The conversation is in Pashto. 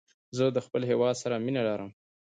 زه د خپل هېواد سره مینه لرم